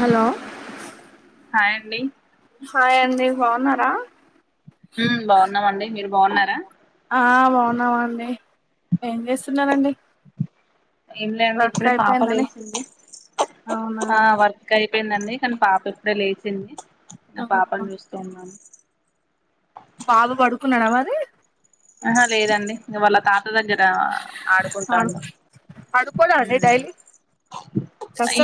hello hi అండి hi అండి బాగున్నారా హు బాగున్నామండి మీరు బాగున్నారా ఆ బాగున్నామండి ఏం చేస్తున్నారండి ఏం లే అండి వర్క్ ఇప్పుడే పాప అయిపోయిందని లేసింది అవునా ఆ వర్క్ అయి అయిందండి కానీ పాప ఇప్పుడే లే చింది ఆ అవునా పాపను చూస్తూ ఉన్నాను బాబు పడుకున్నాడా మరి ఆహా లేదండి వాళ్ళ తాత దగ్గర పడు ఆడుకుంటాండు పడుకోడా అండి డైలీ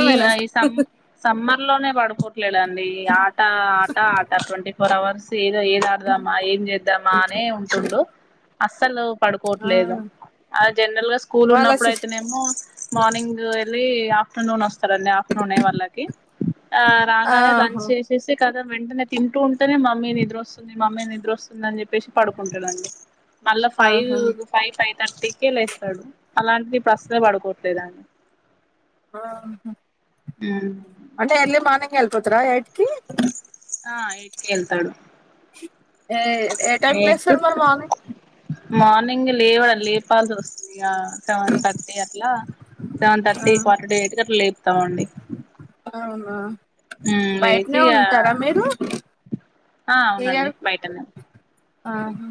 ఈ ఈ సమ్ సమ్మర్ లోనే పడు లేడండి ఆట ఆట ఆట ట్వంటీ ఫోర్ అవర్స్ ఏదో ఏద ఆడదామా ఏం చేద్దామా అనే ఉంటుండు అస్సలు ఆ పడుకోవట్లేదు ఆ జనరల్ గా స్కూల్ వాళ్ళ ఉన్నప్పుడు సి అయితేనేమో మార్నింగ్ వెళ్ళి ఆఫ్టర్నూన్ వస్ వస్తాడండి ఆఫ్టర్నూన్ నే వాళ్ళకి రాగానే లంచ్ ఆహా చేసేసి కద వెంటనే తింటూ ఉంటేనే మమ్మీ నిద్రొస్తుంది మమ్మీ నిద్ర వస్తుంది అని చెప్పేసి పడుకుంటాడండి మళ్ళా ఫైవ్ ఆహా ఫైవ్ ఫైవ్ థర్టీకే లేస్తాడు అలాంటిది ఇప్పుడు అస్సలు పడుకోట్లేదండీ ఆహా అంటే ఎర్లీ మార్నింగ్ ఎళ్ కుదర ఎడ్కి ఆ ఎయిట్కి వెళ్తాడు ఏ ఏ టైం కి ఎయిట్ టు లేస్తాడు మరి మార్నింగ్ మార్నింగ్ లేవడం లేపాల్సి వస్తుందియా సెవెన్ థర్టీ అట్లా సెవెన్ థర్టీ ఆ క్వార్టర్ టుఎయిట్కి అలా లేపు తోండి అవు లేజీగా ఆ ఈ అవునండి ఇయర్ బయటనే ఆహా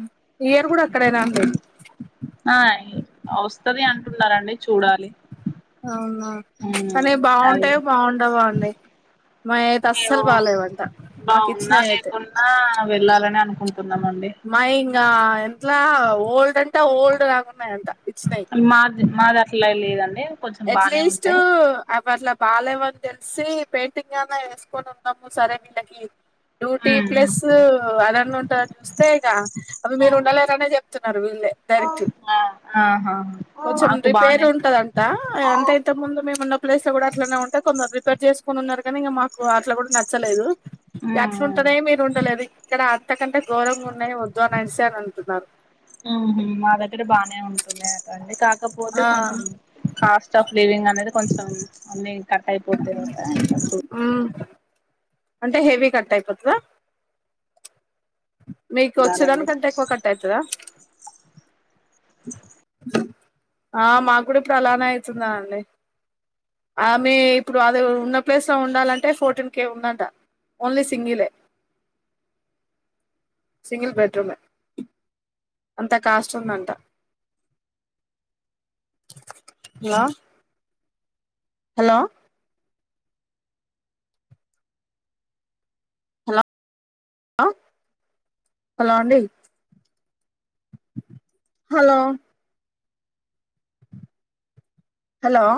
ఇయర్ కూడా ఎక్కడైనా అండి ఆ వస్తది అంటున్నారండి చూడాలి అవునా ఉమ్ కానీ అది బాగుంటాయ బాగుంటావా అండి మా అయితే అస్సలు ఏవో బాాలేవంట మాకు బాగున్నా ఇచ్చినావి అయితే లేకున్నా వెళ్ళాలని అనుకుంటున్నామండి మా ఇంకా ఎంట్లా ఓల్డ్ అంటే ఓల్డ్ రాకున్నాయింత మాది మాద అట్లా లేదండి కొంచెం బానే ఎట్లీస్ట్ ఉంటాయి మల బాాలేవని తెలిసి పెయింటింగ్ అన్నా వేసుకొని ఉన్నాము సరే వీళ్ళకి డ్యూటీ ఉమ్ ప్లస్ అదన్న ఉంటందా చూస్తే ఇక అవి మీరు ఉండలేరనే చెప్తున్నారు వీళ్ళే ఉమ్ డైరెక్ట్ ఆ ఆహా కొంచెం మాకు రిపేర్ బానే ఉంటందింట ఎంతయితే ముందు మేము ఉన్న ప్లేస్ లో కూడా అట్లనే ఉంటే కొందరు ప్రిపేర్ చేసు కొన్నాకా మా అట్లా కూడా నచ్చలేదు అట్లుంటనే ఉహు మీరు ఉండలేదు ఇక్కడ అంత కంటే మరం అ మా దగ్గర బానే ఉంట [unintelligible] కా కపోతే ఆ కొంచెం కాస్ట్ ఆఫ్ లివింగ్ అనేది కొంచం అన్ని కట్టై పొతయటా అంటె హెవీ కట్ అయిపోతద మీకు చూడాలండి ఒచ్చేదానికంటే ఎక్కువ కట్ అయితద ఆ మాగూడ ఇప్పుడు అలానే అయితుంద అండి ఆ మీ ఇప్పుడు అది ఉన్న ప్లేస్లో ఉండాలంటే ఫోర్టీన్ కే ఉందంట ఓన్లీ సింగిలే సింగిల్ బెడ్రూమె అంత కాస్ట్ ఉందంట హలో హలో లో హలో అండి హలో హలో